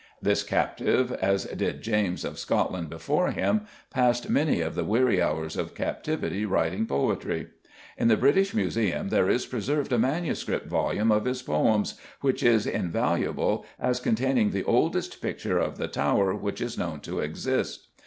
This captive, as did James of Scotland before him, passed many of the weary hours of captivity writing poetry. In the British Museum there is preserved a manuscript volume of his poems which is invaluable as containing the oldest picture of the Tower which is known to exist.